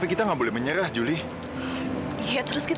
kau ing lari